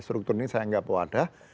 struktur ini saya nggak wadah